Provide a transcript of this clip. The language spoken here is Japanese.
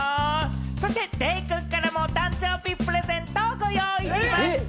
そしてデイくんからも、お誕生日プレゼントをご用意しました。